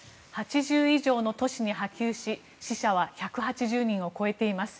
８０以上の都市に波及し死者は１８０人以上を超えています。